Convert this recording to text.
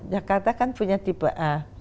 jakarta kan punya tipe a